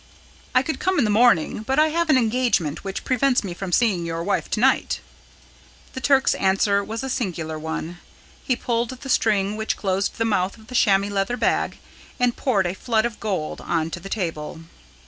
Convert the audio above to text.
"I could come in the morning, but I have an engagement which prevents me from seeing your wife tonight." The Turk's answer was a singular one. He pulled the string which closed the mouth of the chamois leather bag, and poured a flood of gold on to the table.